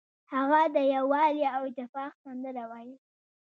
هغه د یووالي او اتفاق سندره ویله.